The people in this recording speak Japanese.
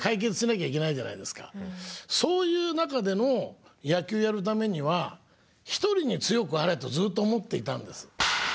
そういう中での野球やるためには一人に強くあれとずっと思っていたんです。